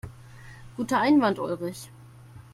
Guter Einwand, Ulrich.